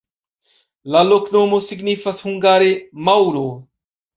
La loknomo signifas hungare: maŭro.